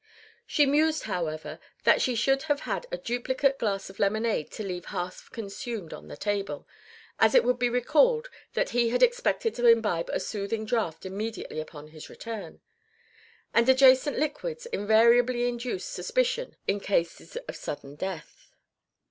She mused, however, that she should have had a duplicate glass of lemonade to leave half consumed on the table, as it would be recalled that he had expected to imbibe a soothing draught immediately upon his return; and adjacent liquids invariably induce suspicion in cases of sudden death.